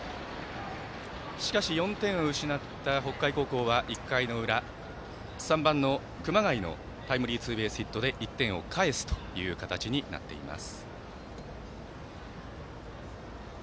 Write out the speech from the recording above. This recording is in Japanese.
しかし、４点を失った北海高校は１回の裏、３番の熊谷のタイムリーツーベースヒットで１点を返すという形になっています。